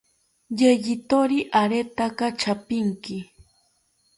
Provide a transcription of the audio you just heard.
Yeyithori aretaka chapinki